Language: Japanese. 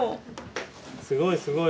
すごいすごい。